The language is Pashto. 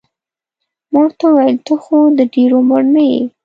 ما ورته وویل ته خو د ډېر عمر نه یې.